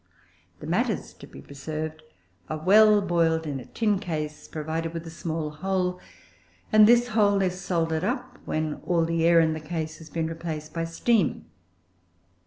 The matters to be preserved are well boiled in a tin case provided with a small hole, and this hole is soldered up when all the air in the case has been replaced by steam.